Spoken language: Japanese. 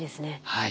はい。